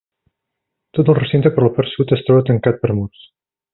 Tot el recinte, per la part sud, es troba tancat per murs.